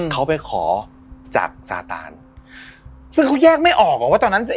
เขาไปขอจากซาตานซึ่งเขาแยกไม่ออกอ่ะว่าตอนนั้น